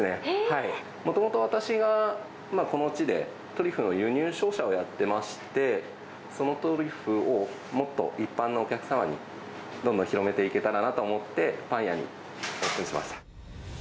もともと私がこの地でトリュフの輸入商社をやってまして、そのトリュフをもっと一般のお客様にどんどん広めていけたらなと思って、パン屋にオープンしました。